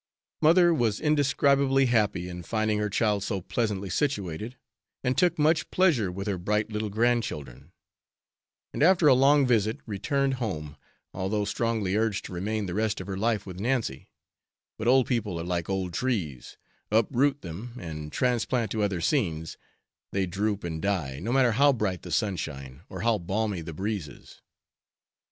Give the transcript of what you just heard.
Mother was indescribably happy in finding her child so pleasantly situated, and took much pleasure with her bright little grandchildren; and after a long visit, returned home, although strongly urged to remain the rest of her life with Nancy; but old people are like old trees, uproot them, and transplant to other scenes, they droop and die, no matter how bright the sunshine, or how balmy the breezes.